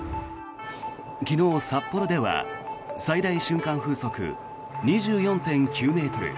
昨日、札幌では最大瞬間風速２４．９ｍ